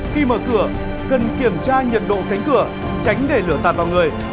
khi mở cửa cần kiểm tra nhiệt độ cánh cửa tránh để lửa tạt vào người